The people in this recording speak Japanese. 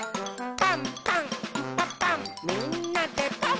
「パンパンんパパンみんなでパン！」